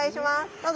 どうぞ。